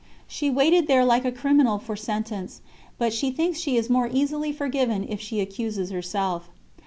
She waited there like a criminal for sentence; but she thinks she is more easily forgiven if she accuses herself."